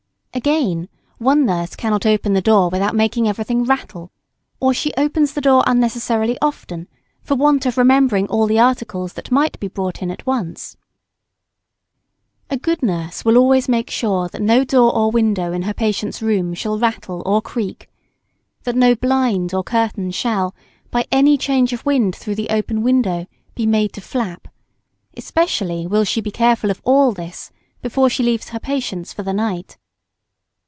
Again, one nurse cannot open the door without making everything rattle. Or she opens the door unnecessarily often, for want of remembering all the articles that might be brought in at once. A good nurse will always make sure that no door or window in her patient's room shall rattle or creak; that no blind or curtain shall, by any change of wind through the open window be made to flap especially will she be careful of all this before she leaves her patients for the night.